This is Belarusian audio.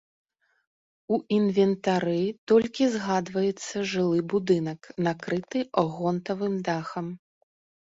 У інвентары толькі згадваецца жылы будынак, накрыты гонтавым дахам.